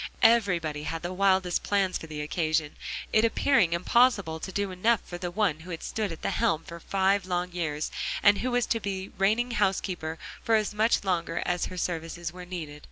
Everybody had the wildest plans for the occasion; it appearing impossible to do enough for the one who had stood at the helm for five long years, and who was to be reigning housekeeper for as much longer as her services were needed.